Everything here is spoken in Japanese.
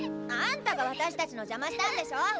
あんたが私たちの邪魔したんでしょ！